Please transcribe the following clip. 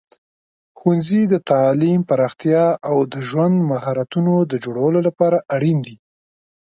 ښوونځي د تعلیم پراختیا او د ژوند مهارتونو د جوړولو لپاره اړین دي.